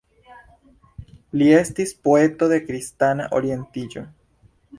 Li estis poeto de kristana orientiĝo.